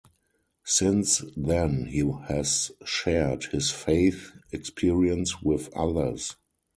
Since then, he has shared his faith experience with others.